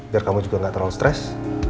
biar kamu juga gak terlalu stres